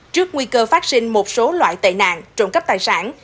trước nguy cơ phát sinh một số loại tệ nạn trộm cắp tài sản